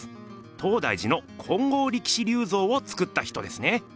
東大寺の金剛力士立像をつくった人ですね。